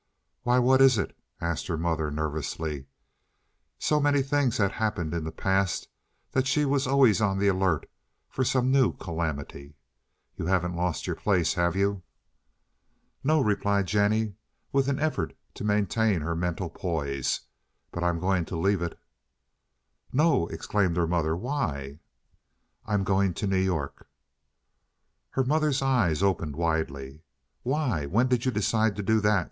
"Why, what is it?" asked her mother nervously. So many things had happened in the past that she was always on the alert for some new calamity. "You haven't lost your place, have you?" "No," replied Jennie, with an effort to maintain her mental poise, "but I'm going to leave it." "No!" exclaimed her mother. "Why?" "I'm going to New York." Her mother's eyes opened widely. "Why, when did you decide to do that?"